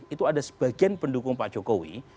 itu ada sebagian pendukung pak jokowi